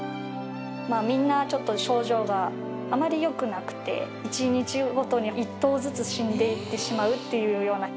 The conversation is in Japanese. みんな症状があまりよくなくて一日ごとに１頭ずつ死んでいってしまうというような。